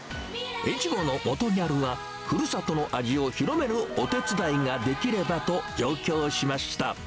越後の元ギャルは、ふるさとの味を広めるお手伝いができればと、上京しました。